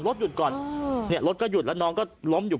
รถก็หยุดแล้วน้องก็ล้มอยู่